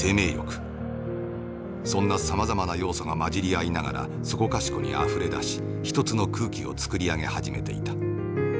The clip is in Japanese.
そんなさまざまな要素が混じり合いながらそこかしこにあふれ出し一つの空気をつくり上げ始めていた。